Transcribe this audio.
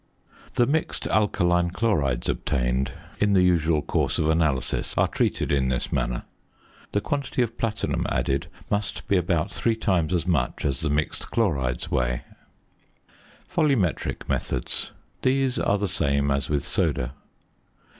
The mixed alkaline chlorides obtained in the usual course of analysis are treated in this manner; the quantity of platinum added must be about three times as much as the mixed chlorides weigh. VOLUMETRIC METHODS. These are the same as with soda.